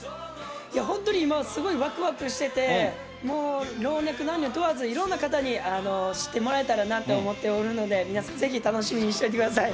本当に今、すごいわくわくしてて、もう老若男女問わず、いろんな方に知ってもらえたらなと思っておるので、皆さんぜひ楽しみにしておいてください。